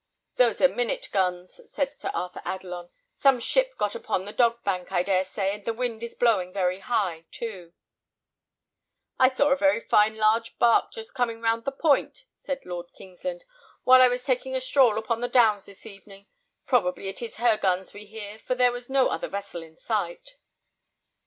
"Those are minute guns," said Sir Arthur Adelon. "Some ship got upon the Dog bank, I dare say, and the wind is blowing very high, too." "I saw a very fine large bark just coming round the point," said Lord Kingsland, "while I was taking a stroll upon the downs this evening. Probably it is her guns we hear, for there was no other vessel in sight."